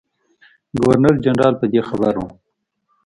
ګورنر جنرال په دې خبر وو.